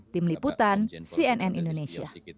tim liputan cnn indonesia